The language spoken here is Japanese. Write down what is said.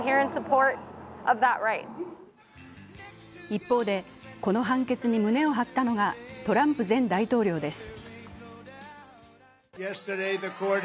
一方で、この判決に胸を張ったのがトランプ前大統領です。